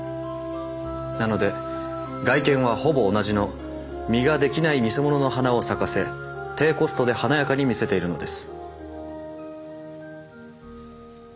なので外見はほぼ同じの実が出来ないニセモノの花を咲かせ低コストで華やかに見せているのです。